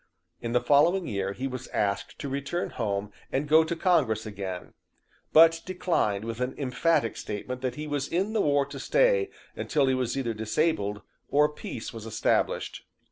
In the following year he was asked to return home and go to congress again, but declined with an emphatic statement that he was in the war to stay until he was either disabled or peace was established.